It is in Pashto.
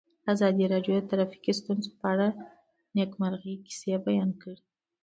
ازادي راډیو د ټرافیکي ستونزې په اړه د نېکمرغۍ کیسې بیان کړې.